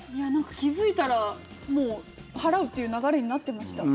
気付いたらもう払うっていう流れになってました。